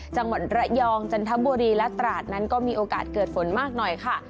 จังหวัดระยองจันทบุรีและตราดนั้นก็มีโอกาสเกิดฝนมากหน่อยค่ะ